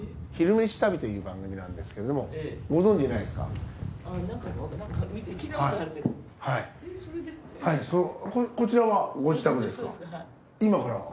「昼めし旅」という番組なんですけれどもご存じないですか？こちらはご自宅ですか？